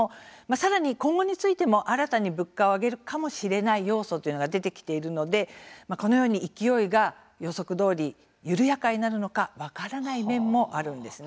今後についても新たに物価を上げるかもしれない要素が出てきているのでこのように勢いが予測どおり緩やかになるのか分からない面もあるんです。